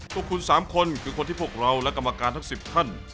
พวกคุณ๓คนคือคนที่พวกเราและกรรมการทั้ง๑๐ท่าน